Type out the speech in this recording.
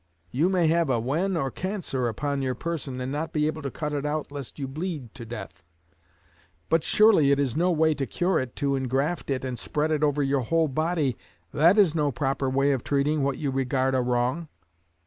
You may have a wen or cancer upon your person, and not be able to cut it out lest you bleed, to death; but surely it is no way to cure it to ingraft it and spread it over your whole body that is no proper way of treating what you regard a wrong.